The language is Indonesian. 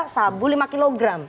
sabu lima kg